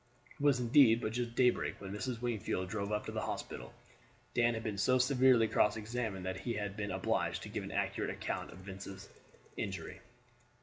It was indeed but just daybreak when Mrs. Wingfield drove up to the hospital. Dan had been so severely cross examined that he had been obliged to give an accurate account of Vincent's injury.